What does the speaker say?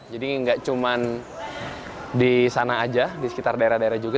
jadi nggak cuma di sana aja di sekitar daerah daerah juga